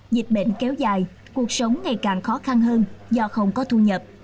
dịch bệnh kéo dài cuộc sống ngày càng khó khăn hơn do không có thu nhập